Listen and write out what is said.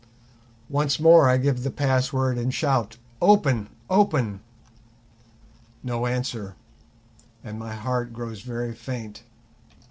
Once more I give the password and shout "Open! open!" No answer, and my heart grows very faint.